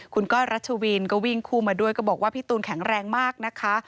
คุณก้อยรัชวินก็วิ่งคู่มาด้วยก็บอกว่าพี่ตูนแข็งแรงมากนะคะ